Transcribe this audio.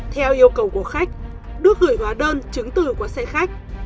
theo yêu cầu của khách được gửi hóa đơn chứng từ qua xe khách